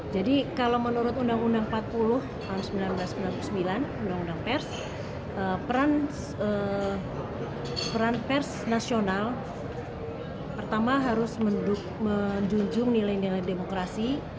jadi kalau menurut undang undang empat puluh tahun seribu sembilan ratus sembilan puluh sembilan undang undang pers peran pers nasional pertama harus menjunjung nilai nilai demokrasi